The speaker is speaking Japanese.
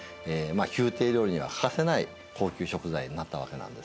宮廷料理には欠かせない高級食材になったわけなんですね。